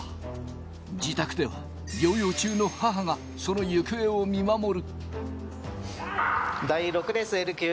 自宅では療養中の母がその行方を見守る。